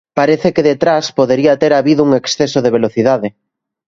Parece que detrás podería ter habido un exceso de velocidade.